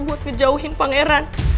buat ngejauhin pangeran